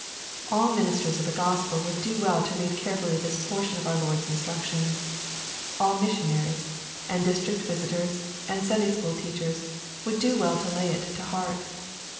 All ministers of the Gospel would do well to read carefully this portion of our Lord's instructions. All missionaries, and district visitors, and Sunday school teachers, would do well to lay it to heart.